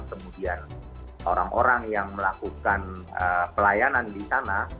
kemudian orang orang yang melakukan pelayanan di sana